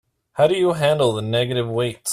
How do you handle the negative weights?